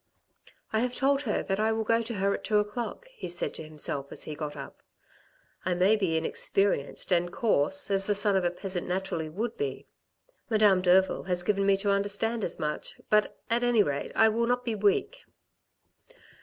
" I have told her that I will go to her at two o'clock," he said to himself as he got up, " I may be inexperienced and coarse, as the son of a peasant naturally would be. Madame Derville has given me to understand as much, but at any rate, I will not be weak."